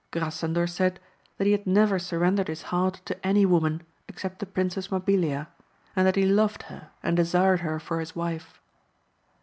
Grasandor said, that he had never surrendered his heart to any woman except the Prin cess Mabilia, and that he loved her, and desired her for his wife.